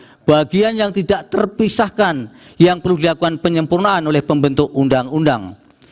ini adalah bagian yang tidak terpisahkan yang perlu dilakukan penyempurnaan oleh pembentuk undang undang